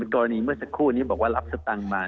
กรณีเมื่อสักครู่นี้บอกว่ารับสตังค์มา